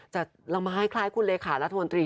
จะลงมาให้คล้ายคุณเลขารัฐมนตรี